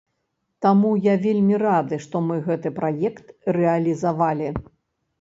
Таму я вельмі рады, што мы гэты праект рэалізавалі.